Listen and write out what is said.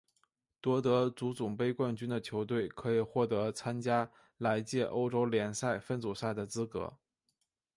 夺得足总杯冠军的球队可以获得参加来届欧洲联赛分组赛的资格。